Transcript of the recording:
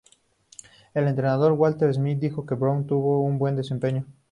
El entrenador Walter Smith dijo que Brown tuvo un buen desempeño.